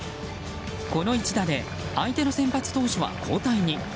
この一打で相手の先発投手は交代に。